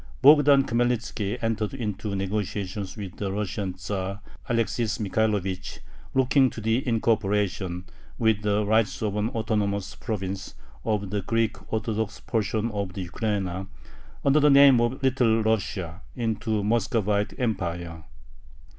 Bogdan Khmelnitzki entered into negotiations with the Russian Tzar Alexis Michaelovich, looking to the incorporation, with the rights of an autonomous province, of the Greek Orthodox portion of the Ukraina, under the name of Little Russia, into the Muscovite Empire.